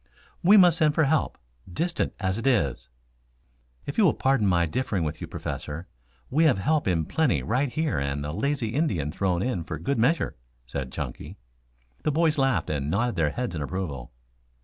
"We must send for help, distant as it is." "If you will pardon my differing with you, Professor, we have help in plenty right here and a lazy Indian thrown in for good measure," said Chunky. The boys laughed and nodded their heads in approval.